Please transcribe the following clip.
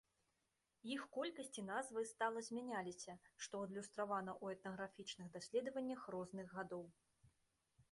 Іх колькасць і назвы стала змяняліся, што адлюстравана ў этнаграфічных даследаваннях розных гадоў.